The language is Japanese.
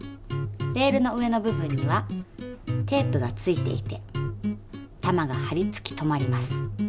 レールの上の部分にはテープが付いていて玉がはり付き止まります。